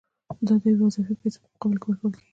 دا د اضافي پیسو په مقابل کې ورکول کېږي